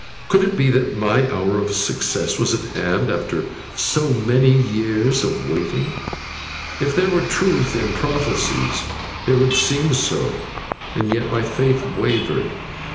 Could it be that my hour of success was at hand after so many years of waiting? If there were truth in prophecies it would seem so, and yet my faith wavered.